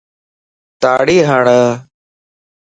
تاڙي ھڙ